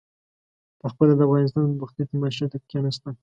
پخپله د افغانستان د بدبختۍ تماشې ته کېنستل.